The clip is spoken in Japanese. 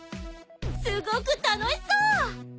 すごく楽しそう。